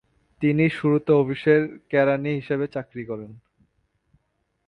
তিনি শুরুতে অফিসের কেরানি হিসেবে চাকরি করেন।